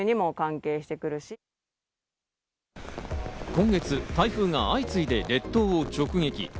今月、台風が相次いで列島を直撃。